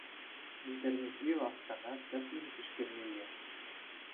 Интернетри лавккана тӗплӗн тишкермелле.